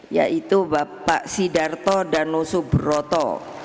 yaitu bapak sidarto danusubroto